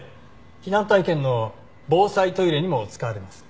避難体験の防災トイレにも使われます。